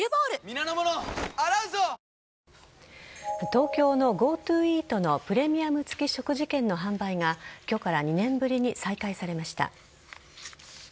東京のＧｏＴｏイートのプレミアム付き食事券の販売が今日から２年ぶりに再開されました。